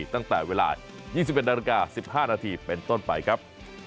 ตั้งแต่เวลา๒๑นาฬิกา๑๕นาทีเป็นต้นไปครับ